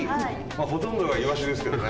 ほとんどがイワシですけどね